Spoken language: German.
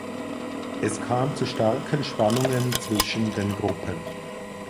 Es kam zu starken Spannungen zwischen den Gruppen.